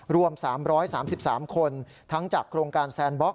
รวม๓๓คนทั้งจากโครงการแซนบล็ก